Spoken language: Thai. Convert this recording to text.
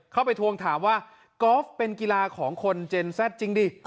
ทวงถามว่ากอล์ฟเป็นกีฬาของคนเจนแซ่ดจริงดิ